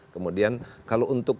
kemudian kalau untuk